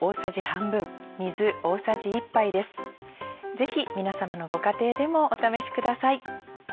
ぜひ皆さまのご家庭でもお試しください。